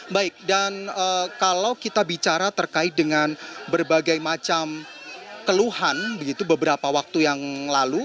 baik dan kalau kita bicara terkait dengan berbagai macam keluhan begitu beberapa waktu yang lalu